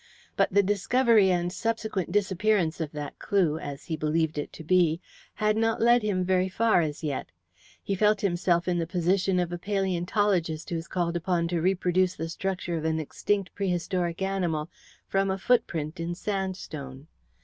But the discovery and subsequent disappearance of that clue, as he believed it to be, had not led him very far as yet. He felt himself in the position of a palæontologist who is called upon to reproduce the structure of an extinct prehistoric animal from a footprint in sandstone.